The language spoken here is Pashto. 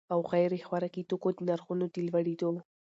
او غیر خوراکي توکو د نرخونو د لوړېدو